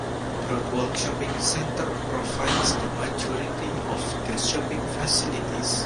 Broadwalk shopping centre provides the majority of the shopping facilities.